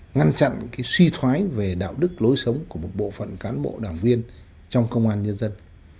ngăn chặn suy thoái về đạo đức lối sống của một bộ phận cán bộ đảng viên trong công an nhân dân